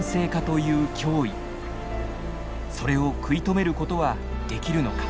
それを食い止めることはできるのか。